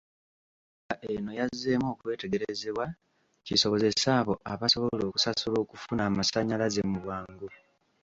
Enkola eno yazzeemu okwetegerezebwa kisobozese abo abasobola okusasula okufuna amasannyalaze mu bwangu.